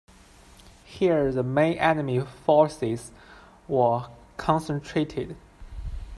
Here the main enemy forces were concentrated.